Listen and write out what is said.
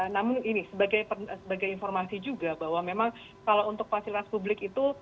namun ini sebagai informasi juga bahwa memang kalau untuk fasilitas publik itu